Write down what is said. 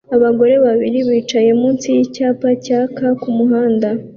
Abagore babiri bicaye munsi yicyapa cyaka kumuhanda